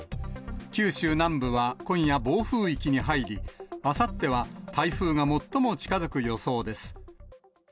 九州南部は今夜、暴風域に入り、あさっては台風が最も近づく予想です。